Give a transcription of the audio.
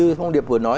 như phong điệp vừa nói